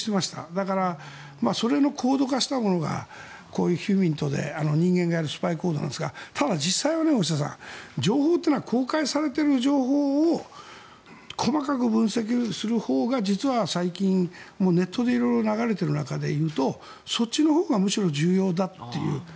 だから、それの高度化したものがこういうヒューミントで人間がやるスパイ行動なんですが実際は情報というのは公開されている情報を細かく分析するほうが実は最近ネットで色々流れている中でいうとそっちのほうがむしろ重要だという。